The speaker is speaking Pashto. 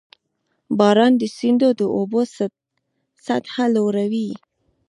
• باران د سیندونو د اوبو سطحه لوړوي.